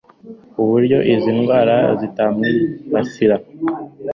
ku buryo izi ndwara zitamwibasira